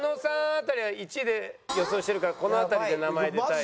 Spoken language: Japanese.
辺りは１位で予想してるからこの辺りで名前出たい。